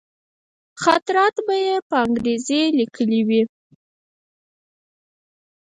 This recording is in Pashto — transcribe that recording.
خاطرات به یې په انګرېزي لیکلي وي.